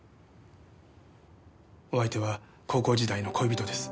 お相手は高校時代の恋人です。